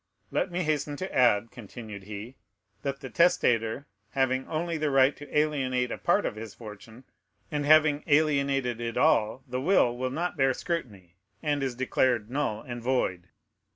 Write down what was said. Let me hasten to add," continued he, "that the testator, having only the right to alienate a part of his fortune, and having alienated it all, the will will not bear scrutiny, and is declared null and void."